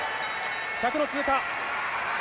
１００の通過。